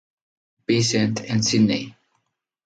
Vincent en Sídney.